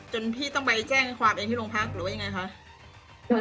จนพี่ต้องไปแจ้งอฮอล์เองที่โรงพักหรือว่าอย่างไรค่ะ